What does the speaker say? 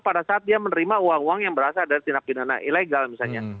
pada saat dia menerima uang uang yang berasal dari tindak pidana ilegal misalnya